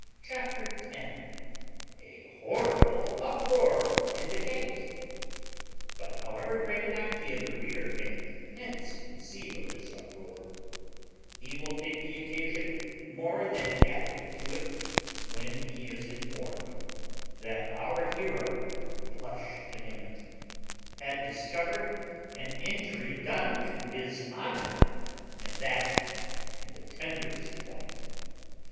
CHAPTER TEN A HORRIBLE UPROAR IN THE GATE. But however great an idea the reader may hence conceive of this uproar, he will think the occasion more than adequate to it when he is informed that our hero (I blush to name it) had discovered an injury done to his honour, and that in the tenderest point.